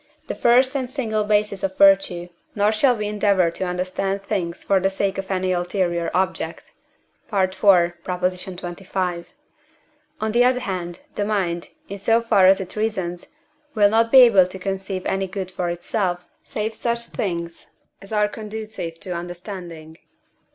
the first and single basis of virtue, nor shall we endeavour to understand things for the sake of any ulterior object (IV. xxv.); on the other hand, the mind, in so far as it reasons, will not be able to conceive any good for itself, save such things as are conducive to understanding.